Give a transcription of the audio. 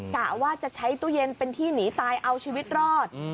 กะว่าจะใช้ตู้เย็นเป็นที่หนีตายเอาชีวิตรอด